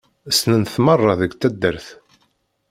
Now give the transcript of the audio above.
Ssnen-t merra deg taddart.